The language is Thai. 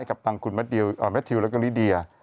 กับตังคุณแมททิวและกับลิเดีย